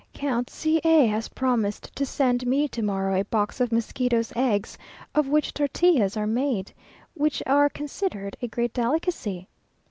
Count C a has promised to send me to morrow a box of mosquitoes' eggs, of which tortillas are made, which are considered a great delicacy.